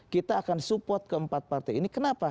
kita akan support keempat partai ini kenapa